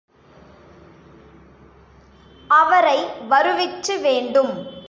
அவரை வருவிக்சு வேண்டும்.